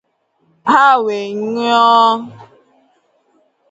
ha wee ñụọ